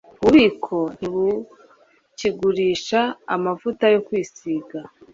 Ububiko ntibukigurisha amavuta yo kwisiga